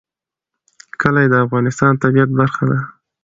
کلي د افغانستان د طبیعت برخه ده.